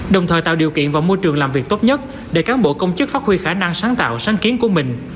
đồng thời tạo điều kiện và môi trường làm việc tốt nhất để cán bộ công chức phát huy khả năng sáng tạo sáng kiến của mình